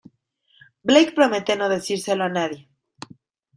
Blake promete no decírselo a nadie.